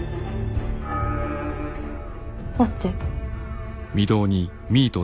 待って。